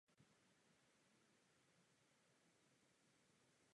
Chtěli bychom vidět otevření.